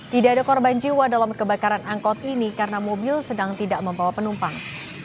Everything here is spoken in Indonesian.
tidak ada korban jiwa dalam kebakaran angkot ini karena mobil sedang tidak membawa penumpang